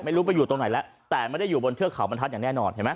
ไม่รู้ว่าอยู่ตรงไหนแล้วแต่ไม่ได้อยู่บนเครือข่าวบรรทัศน์อย่างแน่นอน